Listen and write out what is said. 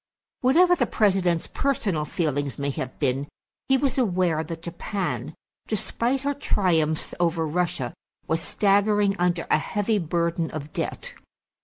Whatever the President's personal feelings may have been, he was aware that Japan, despite her triumphs over Russia, was staggering under a heavy burden of debt.